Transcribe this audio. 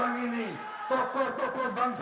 orang orang ini tokoh tokoh bangsa ini bukan makar